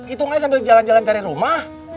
itu kan sambil jalan jalan cari rumah